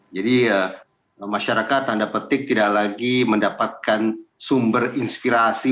jadi masyarakat tanda petik tidak lagi mendapatkan sumber inspirasi